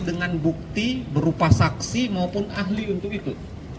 dengan bukti berupa saksi maupun ahli untuk itu